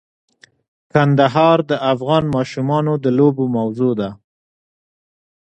کندهار د افغان ماشومانو د لوبو موضوع ده.